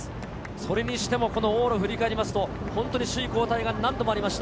それにしても往路を振り返ると、首位交代が何度もありました。